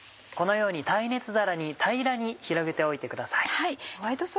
このように耐熱皿に平らに広げておいてください。